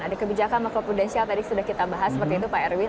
ada kebijakan makro prudensial tadi sudah kita bahas seperti itu pak erwin